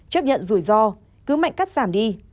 chấp nhận rủi ro cứ mạnh cắt giảm đi